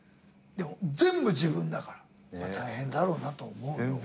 でも全部自分だから大変だろうなと思うよ。